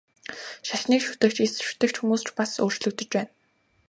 Шашныг шүтэгч, эс шүтэгч хүмүүс ч бас өөрчлөгдөж байна.